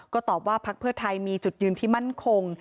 ก็ตอบว่าพักเพื่อไทยมีจุดยืนที่มั่นคง